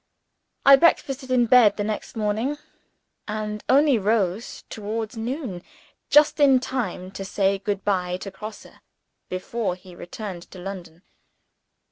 I breakfasted in bed the next morning, and only rose towards noon just in time to say good bye to Grosse before he returned to London.